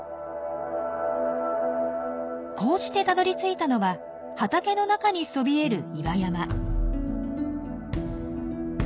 こうしてたどりついたのは畑の中にそびえる岩山。